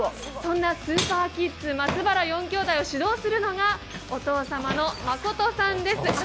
そんなスーパーキッズ、松原四兄弟を指導するのがお父様の誠さんです。